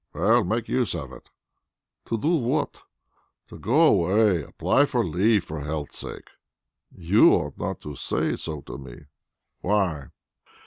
"Well, make use of it!" "To do what?" "To go away. Apply for leave for health's sake." "You ought not to say so to me." "Why?"